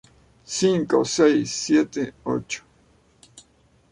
cinco, seis, siete, ocho.